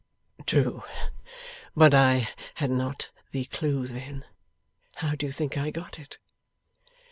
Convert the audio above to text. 'True. But I had not the clue then. How do you think I got it?